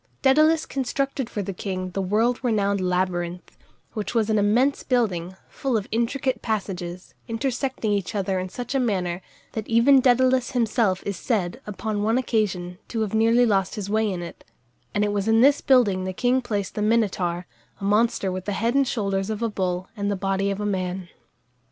Dædalus constructed for the king the world renowned labyrinth, which was an immense building, full of intricate passages, intersecting each other in such a manner, that even Dædalus himself is said, upon one occasion, to have nearly lost his way in it; and it was in this building the king placed the Minotaur, a monster with the head and shoulders of a bull and the body of a man.